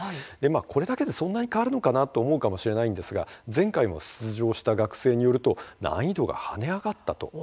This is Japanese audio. これだけでそんなに変わるのかなと思うかもしれないんですが前回も出場した学生によると難易度がはね上がったと嘆いていました。